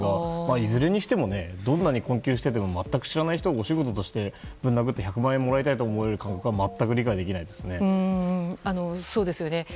いずれにしてもどんなに困窮していても全く知らない人をお仕事としてぶん殴って１００万円もらいたいという感覚は全く理解できないですね。